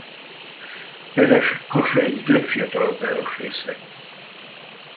Peres Kassa egyik legfiatalabb városrésze.